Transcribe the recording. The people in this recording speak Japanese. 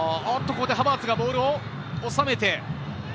ここでハバーツがボールを収めて。